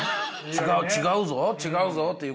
「違うぞ違うぞ」っていう。